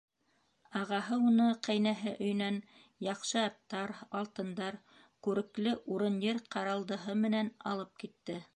Ағаһы уны ҡәйнәһе өйөнән яҡшы аттар, алтындар, күрекле урын-ер ҡаралдыһы менән алып китте.